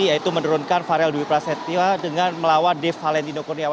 yaitu menurunkan farel dwi prasetyo dengan melawan dev valentino kurniawan